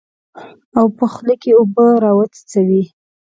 او په خوله کې اوبه راوڅڅوي.